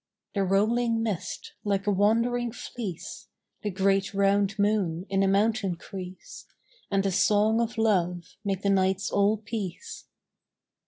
The rolling mist, like a wandering fleece, The great, round moon in a mountain crease, And a song of love make the nights all peace.